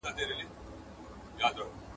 • چي ما در کړه، خداى دې در کړي.